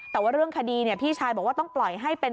แต่ว่าเรื่องคดีพี่ชายบอกว่าต้องปล่อยให้เป็น